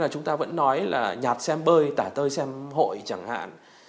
chúng ta vẫn nói là nhạt xem bơi tả tơi xem hội chẳng hạn